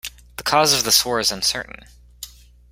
The cause of this war is uncertain.